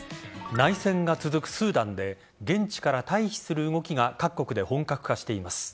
内戦が続くスーダンで現地から退避する動きが各国で本格化しています。